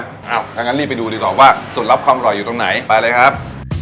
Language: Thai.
ถ้างั้นรีบไปดูดีกว่าว่าสูตรลับความอร่อยอยู่ตรงไหนไปเลยครับ